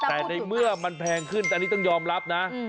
แต่ในเมื่อมันแพงขึ้นอันนี้ต้องยอมรับนะ